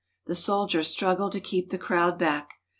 The soldiers struggle to keep the crowd back.